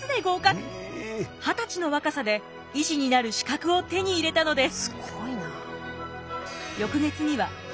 二十歳の若さで医師になる資格を手に入れたのです。